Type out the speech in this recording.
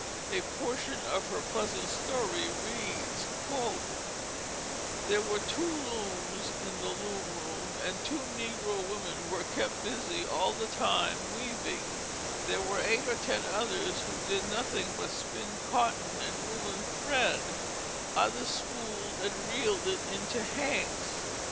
A portion of her pleasant story reads: "There were two looms in the loom room, and two negro women were kept busy all the time weaving; there were eight or ten others who did nothing but spin cotton and woollen thread; others spooled and reeled it into hanks.